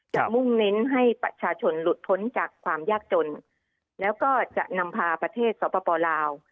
มุ่งเน้นให้ประชาชนหลุดพ้นจากความยากจนแล้วก็จะนำพาประเทศสปลาว